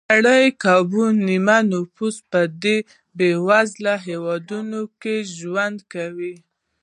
د نړۍ کابو نیمایي نفوس په دې بېوزله هېوادونو کې ژوند کوي.